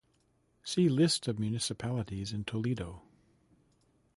See List of municipalities in Toledo.